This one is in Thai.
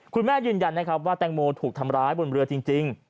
ยืนยันนะครับว่าแตงโมถูกทำร้ายบนเรือจริง